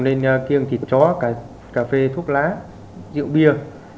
nên kiêng thịt chó cà phê thuốc lá rượu bia